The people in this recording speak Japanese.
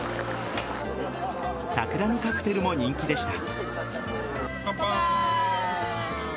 桜のカクテルも人気でした。